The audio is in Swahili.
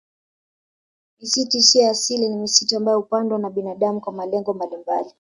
Misitu isiyo ya asili ni misitu ambayo hupandwa na binadamu kwa malengo mbalimbali